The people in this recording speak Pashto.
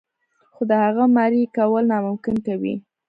خو د هغه مريي کول ناممکن کوي.